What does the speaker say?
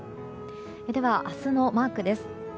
では、明日のマークです。